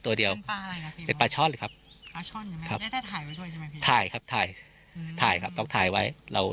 ถ่ายไว้ด้วยใช่ไหมถ่ายครับถ่ายถ่ายครับต้องถ่ายไว้เรา